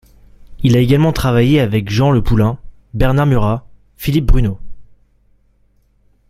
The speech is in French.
Il a également travaillé avec Jean le Poulain, Bernard Murat, Philippe Bruneau.